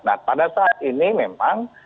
nah pada saat ini memang